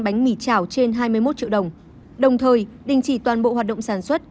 bánh mì chảo trên hai mươi một triệu đồng đồng thời đình chỉ toàn bộ hoạt động sản xuất